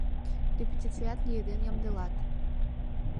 Репетицият лиеден, ямдылат...